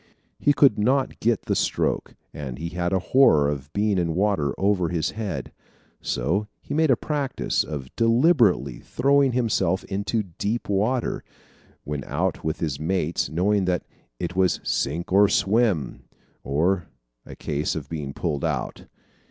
He could not get the stroke and he had a horror of being in water over his head. So he made a practise of deliberately throwing himself into deep water, when out with his mates, knowing that it was "sink or swim," or a case of getting pulled out.